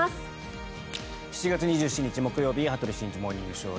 ７月２７日、木曜日「羽鳥慎一モーニングショー」。